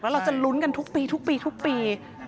แล้วเราจะลุ้นกันทุกปีทุกปีทุกปี